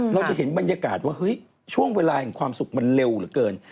เราจะเห็นบรรยากาศว่าเฮ้ยช่วงเวลาแห่งความสุขมันเร็วเหลือเกิน